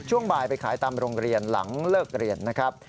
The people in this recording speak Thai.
ช่วงบ่ายไปขายตามโรงเรียนหลังเลิกเรียนนะครับ